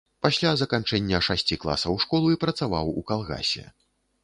Пасля заканчэння шасці класаў школы працаваў у калгасе.